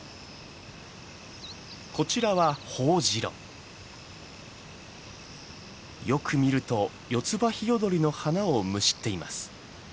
こちらはよく見るとヨツバヒヨドリの花をむしっています。